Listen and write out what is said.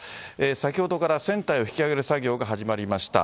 先ほどから船体を引き揚げる作業が始まりました。